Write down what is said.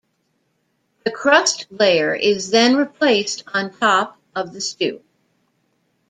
The crust layer is then replaced on top of the stew.